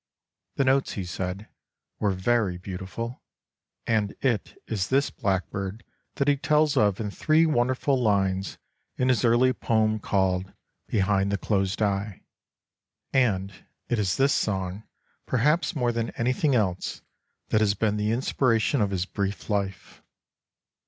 The notes, he said, were very beautiful, and it is this blackbird that he tells of in three wonderful lines in his early poem called " Behind the Closed Eye," and it is this song perhaps more than anything else that has been the inspiration of his brief life.